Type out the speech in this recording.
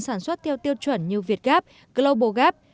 sản xuất theo tiêu chuẩn như việt gap global gap